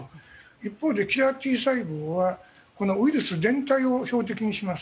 一方で、キラーＴ細胞はウイルス全体を標的にします。